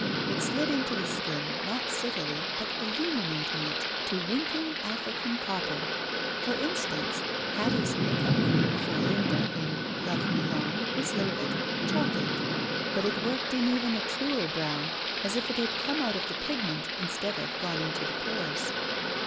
It slid into the skin, not sootily, but illuminating it to winking, African copper. For instance, Hattie's make up cream for Linda in "Love Me Long" was labeled "Chocolate." But it worked in even a truer brown, as if it had come out of the pigment instead of gone into the pores.